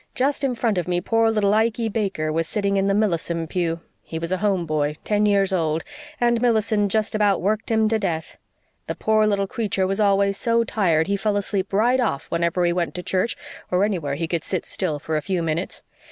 Just in front of me poor little Ikey Baker was sitting in the Millison pew. He was a home boy, ten years old, and Millison just about worked him to death. The poor little creature was always so tired he fell asleep right off whenever he went to church or anywhere he could sit still for a few minutes.